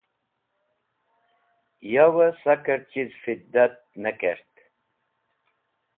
Yawẽ sakẽr chiz fidat ne k̃het.